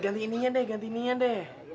ganti ini deh ganti ini deh